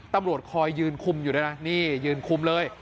ตำรวจคอยยืนคุมอยู่ด้วยนะนี่ยืนคุมเลย